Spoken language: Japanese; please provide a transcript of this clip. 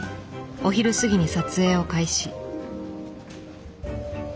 お昼過ぎに撮影を開始。